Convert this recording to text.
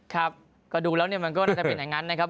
ครับก็ดูแล้วเนี่ยมันก็น่าจะเป็นอย่างนั้นนะครับ